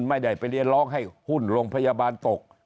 ไม่ได้ไปเรียนร้องให้หุ้นโรงพยาบาลตก